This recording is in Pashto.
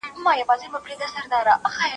دا مېوه تر ټولو نورو مېوو ډېر ویټامین ای لري.